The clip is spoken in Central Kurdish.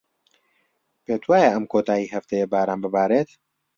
پێت وایە ئەم کۆتاییی هەفتەیە باران ببارێت؟